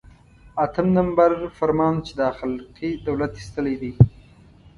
اتم نمبر فرمان چې دا خلقي دولت ایستلی دی.